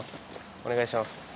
お願いします。